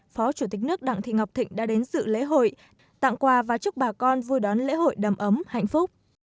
phó chủ tịch nước đặng thị ngọc thịnh đã đến sự lễ hội tặng quà và chúc bà con vui đón lễ hội đầm ấm hạnh phúc